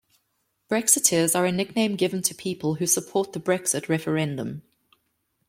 Brexiteers are a nickname given to people who support the Brexit referendum.